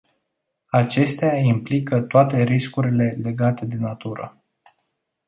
Acestea implică toate riscurile legate de natură.